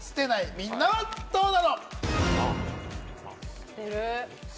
みんなはどうなの？